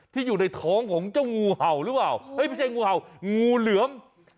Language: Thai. เพื่อนออกมาเพื่อน